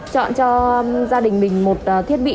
chọn cho gia đình mình một thiết bị